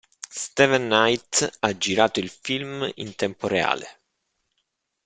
Steven Knight ha girato il film in tempo reale.